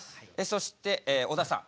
そしてえ小田さん。